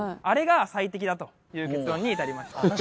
あれが最適だという結論に至りました。